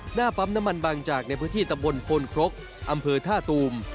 หน้าปั๊มน้ำมันบางจากในพื้นที่ตำบลโพนครกอำเภอท่าตูม